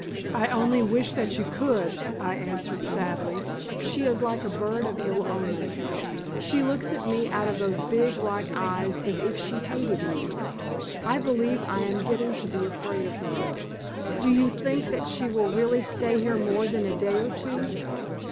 "I only wish that you could," I answered, sadly. "She is like a bird of ill omen. She looks at me out of those big black eyes as if she hated me. I believe I am getting to be afraid of her. Do you think that she will really stay here more than a day or two?"